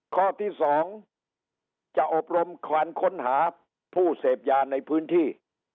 ข้อที่๒จะอบรมควันค้นหาผู้เสพยาในพื้นที่